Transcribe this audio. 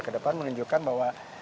ke depan menunjukkan bahwa